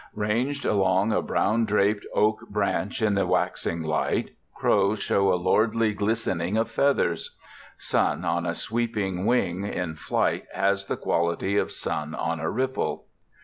Ranged along a brown draped oak branch in the waxing light, crows show a lordly glistening of feathers. (Sun on a sweeping wing in flight has the quality of sun on a ripple.)